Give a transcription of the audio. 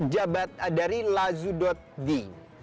jabat dari lazudotdi